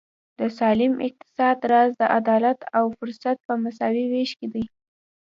د سالم اقتصاد راز د عدالت او فرصت په مساوي وېش کې دی.